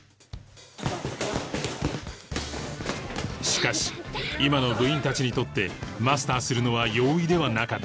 しかし今の部員たちにとってマスターするのは容易ではなかった